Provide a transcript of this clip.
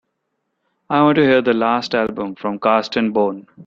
I want to hear the last album from Carsten Bohn